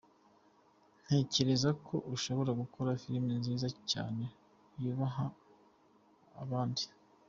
"Ntekereza ko ushobora gukora filime nziza cyane, yubaha abandi.